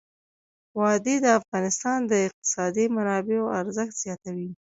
وادي د افغانستان د اقتصادي منابعو ارزښت زیاتوي.